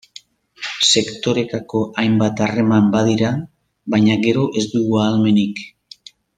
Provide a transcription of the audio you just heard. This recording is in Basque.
Sektorekako hainbat harreman badira, baina gero ez dugu ahalmenik.